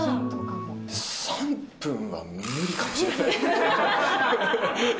３分は無理かもしれない。